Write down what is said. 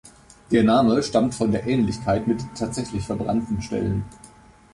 Der Name stammt von der Ähnlichkeit mit tatsächlich verbrannten Stellen.